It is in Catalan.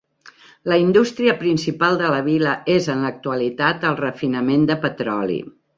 La indústria principal de la vila és, en l'actualitat, el refinament de petroli.